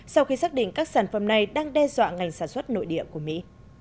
sau khi xác định các sản phẩm này đang đe dọa ngành sản xuất nội địa của mỹ